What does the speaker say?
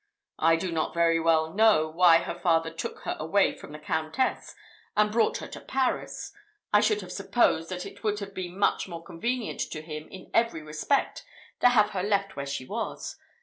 "I do not very well know why her father took her away from the Countess and brought her to Paris; I should have supposed that it would have been much more convenient to him in every respect to have left her where she was.